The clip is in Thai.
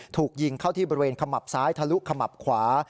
ถูกยิงเข้าที่บริเวณขมับซ้ายทะลุขมับขวา